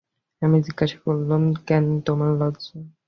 আমি জিজ্ঞাসা করলুম, কেন তোমার লজ্জা?